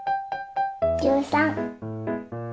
１３。